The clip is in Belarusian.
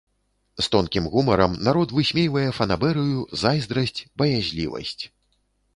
З тонкім гумарам народ высмейвае фанабэрыю, зайздрасць, баязлівасць.